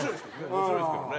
面白いですけどね。